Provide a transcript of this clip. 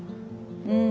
うん。